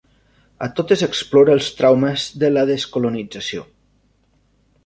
A totes explora els traumes de la descolonització.